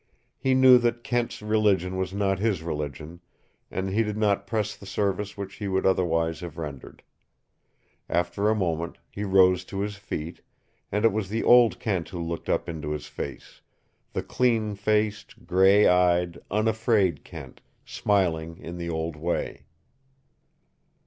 He knew that Kent's religion was not his religion, and he did not press the service which he would otherwise have rendered. After a moment he rose to his feet, and it was the old Kent who looked up into his face, the clean faced, gray eyed, unafraid Kent, smiling in the old way.